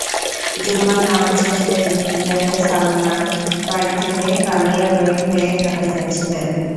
জুমার নামাজ শেষে তিনি বিকেলে সালনার বাড়ি থেকে কালিয়াকৈর হয়ে ঢাকায় যাচ্ছিলেন।